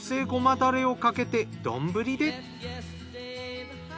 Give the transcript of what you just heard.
だれをかけて丼で。